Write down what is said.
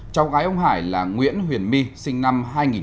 cháu gái ông hải là nguyễn huyền my sinh năm hai nghìn một mươi tám